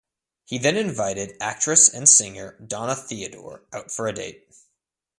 He then invited actress and singer Donna Theodore out for a date.